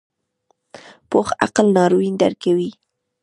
پوخ عقل ناورین درکوي